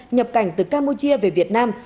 nhập cảnh từ campuchia về việt nam